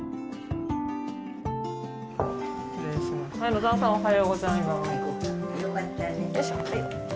野澤さんおはようございます。